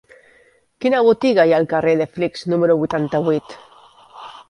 Quina botiga hi ha al carrer de Flix número vuitanta-vuit?